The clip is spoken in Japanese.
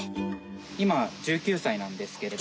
今１９歳なんですけれど。